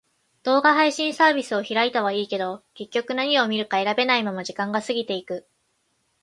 動画配信サービスを開いたはいいけど、結局何を見るか選べないまま時間が過ぎていく。